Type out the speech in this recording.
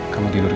kamu tidur ya